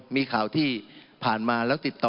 มีข่าวที่ผ่านมาแล้วติดต่อ